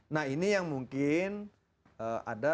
nah ini yang mungkin ada